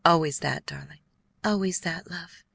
Always that, darling?" "Always that love."